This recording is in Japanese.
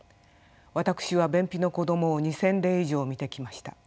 私は便秘の子どもを２，０００例以上診てきました。